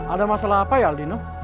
ada masalah apa ya aldino